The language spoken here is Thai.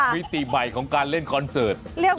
มิติใหม่ของการเล่นคอนเสิร์ต